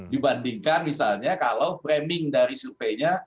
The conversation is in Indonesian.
dibandingkan misalnya kalau framing dari surveinya